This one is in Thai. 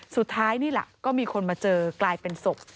สุดท้ายนี่แหละก็มีคนมาเจอกลายเป็นศพ